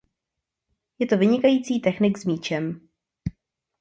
Je to vynikající technik s míčem.